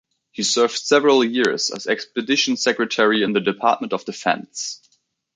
He served several years as expedition secretary in the Department of Defense.